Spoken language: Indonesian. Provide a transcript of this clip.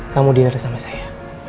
kamu dinner sama saya